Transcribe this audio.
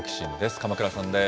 鎌倉さんです。